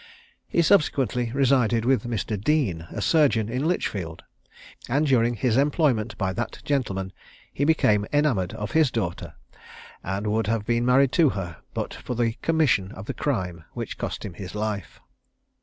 He subsequently resided with Mr. Dean, a surgeon at Lichfield; and during his employment by that gentleman he became enamoured of his daughter, and would have been married to her, but for the commission of the crime which cost him his life.